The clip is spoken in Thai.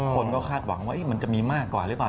คนก็คาดหวังว่ามันจะมีมากกว่าหรือเปล่า